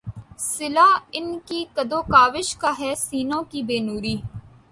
صلہ ان کی کد و کاوش کا ہے سینوں کی بے نوری